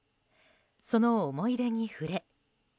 その思い出に触れ。